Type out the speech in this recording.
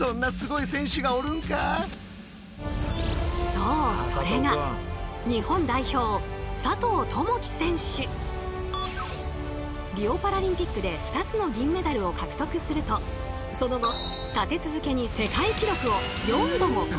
そうそれが日本代表リオパラリンピックで２つの銀メダルを獲得するとその後立て続けに世界記録を４度も更新。